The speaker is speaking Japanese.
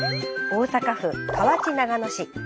大阪府河内長野市。